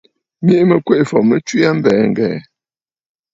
Miʼi mɨ Kweʼefɔ̀ tswe aa a mbɛ̀ɛ̀ ŋ̀gɛ̀ɛ̀.